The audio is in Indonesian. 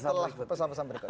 setelah pesan pesan berikut